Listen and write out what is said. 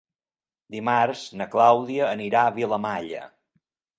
Dimarts na Clàudia anirà a Vilamalla.